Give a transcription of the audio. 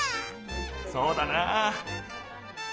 そうだなあ。